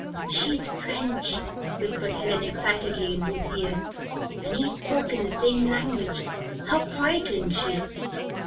"She is French," whispered Helen, excitedly, in Ruth's ear. "And he spoke in the same language. How frightened she is!"